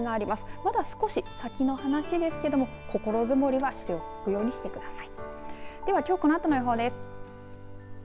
まだ少し先の話ですけども心づもりはしておくようにしてください。